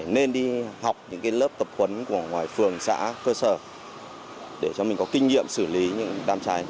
nên đi học những lớp tập huấn của ngoài phường xã cơ sở để cho mình có kinh nghiệm xử lý những đám cháy